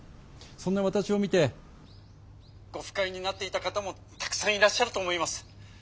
「ご不快になっていた方もたくさんいらっしゃると思います。